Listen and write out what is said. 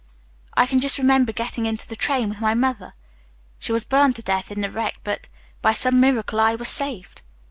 I can just remember getting into the train with my mother. She was burned to death in the wreck, but by some miracle I was saved.